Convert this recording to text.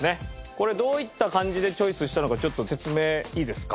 これどういった感じでチョイスしたのかちょっと説明いいですか？